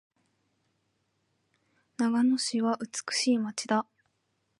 長野市は美しい街だ。